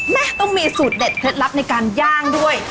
ต้องมีสูตรเด็ดเคล็ดลับในการย่างด้วย